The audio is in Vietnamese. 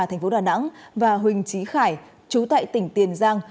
thành phố đà nẵng và huỳnh trí khải chú tại tỉnh tiền giang